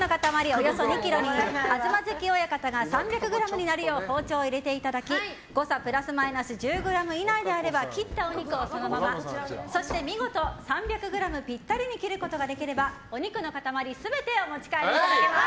およそ２ｋｇに東関親方が３００ｇになるよう包丁を入れていただき誤差プラスマイナス１０ｇ以内であれば切ったお肉をそのままそして見事３００ｇぴったりに切ることができればお肉の塊全てお持ち帰りいただけます。